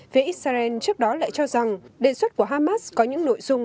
phía israel trước đó lại cho rằng đề xuất của hamas có những nội dung